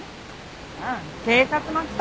ああ警察の人。